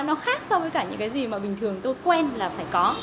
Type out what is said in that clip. nó khác so với cả những cái gì mà bình thường tôi quen là phải có